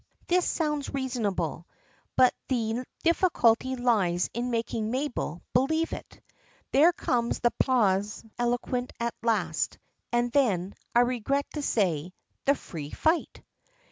This sounds reasonable, but the difficulty lies in making Mabel believe it. There comes the pause eloquent at last, and then, I regret to say, the free fight!